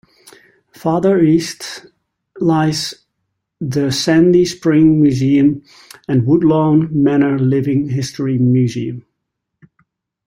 Farther east lies the Sandy Spring Museum and Woodlawn Manor Living History Museum.